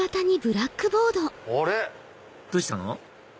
あれ⁉どうしたの？